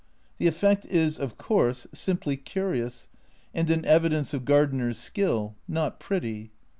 The effect is, of course, simply curious, and an evidence of gardener's skill not pretty.